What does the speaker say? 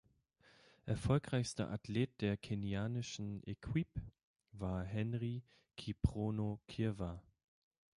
Erfolgreichster Athlet der kenianischen Equipe war Henry Kiprono Kirwa.